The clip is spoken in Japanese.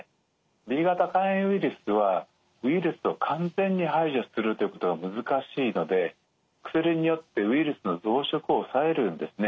Ｂ型肝炎ウイルスはウイルスを完全に排除するということが難しいので薬によってウイルスの増殖を抑えるんですね。